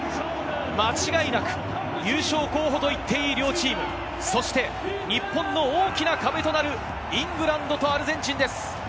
間違いなく優勝候補と言っていい両チーム、そして日本の大きな壁となるイングランドとアルゼンチンです。